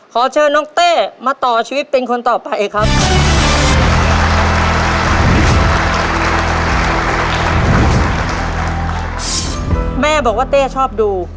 ขอเชิญน้องเต้มาต่อชีวิตเป็นคนต่อไปครับ